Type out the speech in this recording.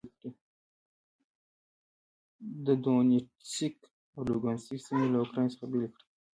د دونیتسک او لوګانسک سیمې له اوکراین څخه بېلې کړې.